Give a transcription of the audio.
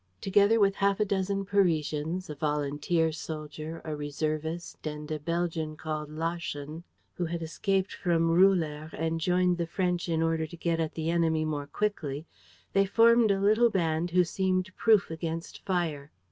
Together with half a dozen Parisians, a volunteer soldier, a reservist and a Belgian called Laschen, who had escaped from Roulers and joined the French in order to get at the enemy more quickly, they formed a little band who seemed proof against fire.